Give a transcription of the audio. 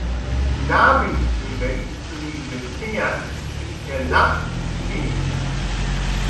Namensgebend für den Bezirk ist der Lac Ste.